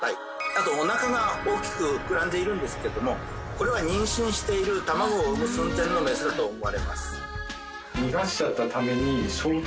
あとおなかが大きく膨らんでいるんですけどもこれは妊娠している卵を産む寸前のメスだと思われます。